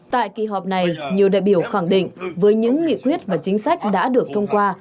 tại kỳ họp này nhiều đại biểu khẳng định với những nghị quyết và chính sách đã được thông qua